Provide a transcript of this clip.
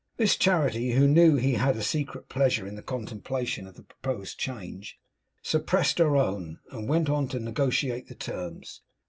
Miss Charity, who knew he had a secret pleasure in the contemplation of the proposed change, suppressed her own, and went on to negotiate the terms.